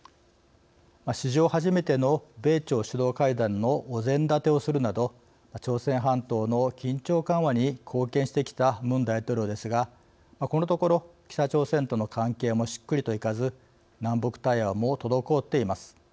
史上初めての米朝首脳会談のお膳立てをするなど朝鮮半島の緊張緩和に貢献してきたムン大統領ですがこのところ北朝鮮との関係もしっくりといかず南北対話も滞っています。